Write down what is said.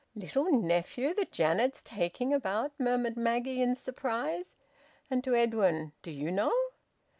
"Little nephew that Janet's taking about!" murmured Maggie, in surprise; and to Edwin, "Do you know?"